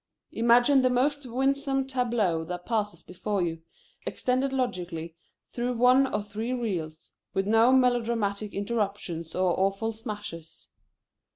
Imagine the most winsome tableau that passes before you, extended logically through one or three reels, with no melodramatic interruptions or awful smashes.